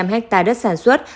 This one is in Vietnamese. một bảy trăm linh ha đất sản xuất